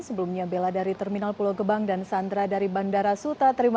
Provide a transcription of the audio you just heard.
sebelumnya bella dari terminal pulau gebang dan sandra dari bandara sutama